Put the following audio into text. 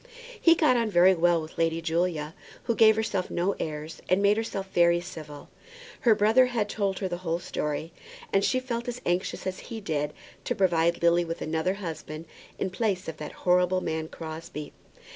He got on very well with Lady Julia, who gave herself no airs, and made herself very civil. Her brother had told her the whole story, and she felt as anxious as he did to provide Lily with another husband in place of that horrible man Crosbie.